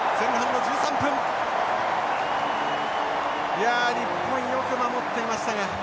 いや日本よく守っていましたが。